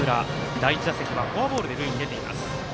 第１打席はフォアボールで塁に出ています。